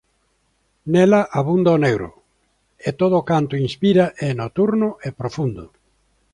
Nela abunda o negro: e todo canto inspira é nocturno e profundo.